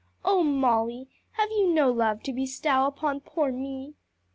O Molly, have you no love to bestow upon poor me?"